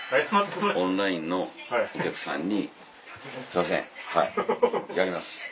オンラインのお客さんに「すいませんはいやります。